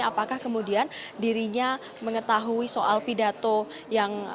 apakah kemudian dirinya mengetahui soal pidato yang